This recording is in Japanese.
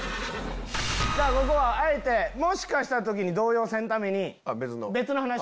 ここはあえてもしかした時に動揺せんために。